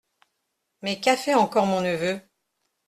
Mais qu’a fait encore mon neveu ?